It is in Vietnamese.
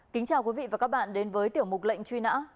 kính chào quý vị và các bạn đến với tiểu mục lệnh truy nã